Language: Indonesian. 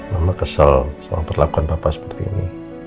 mama kesel sama perlakuan papa seperti ini